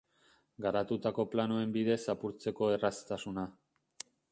Garatutako planoen bidez apurtzeko erraztasuna.